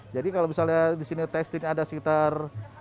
jadi kalau misalnya disini tekstil ada sekitar empat puluh